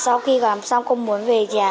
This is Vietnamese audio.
sau khi làm xong con muốn về nhà